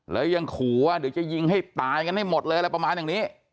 แล้วยังขู่ว่าเดี๋ยวจะยิงให้ตายกันให้หมดเลยอะไรประมาณอย่างนี้